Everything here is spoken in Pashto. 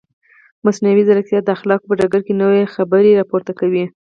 مصنوعي ځیرکتیا د اخلاقو په ډګر کې نوې خبرې راپورته کوي.